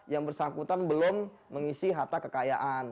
yang bersangkutan belum mengisi harta kekayaan